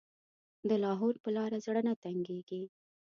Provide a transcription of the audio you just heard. د لاهور په لاره زړه نه تنګېږي.